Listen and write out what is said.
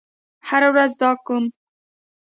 هره ورځ دا کوم